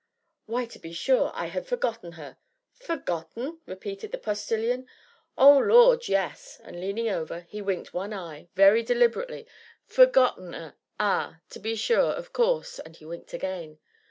"Why, to be sure I had forgotten her!" "Forgotten?" repeated the Postilion, "Oh, Lord, yes!" and leaning over, he winked one eye, very deliberately; "forgotten 'er ah! to be sure of course!" and he winked again.